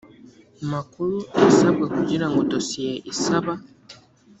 makuru asabwa kugira ngo dosiye isaba